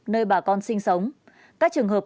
nơi bà con sinh sống các trường hợp